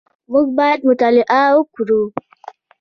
موږ باید مطالعه وکړو